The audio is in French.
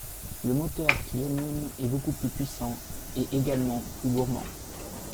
Le moteur qui l'anime est beaucoup plus puissant, et également plus gourmand.